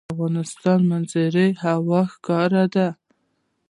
د افغانستان په منظره کې هوا ښکاره ده.